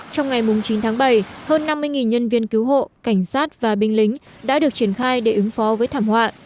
trong ngày chín tháng bảy hơn năm mươi nhân viên cứu hộ cảnh sát và binh lính đã được triển khai để ứng phó với thảm họa